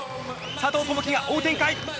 佐藤友祈が追う展開！